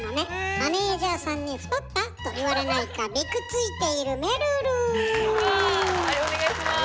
マネージャーさんに「太った？」と言われないかびくついているお願いします。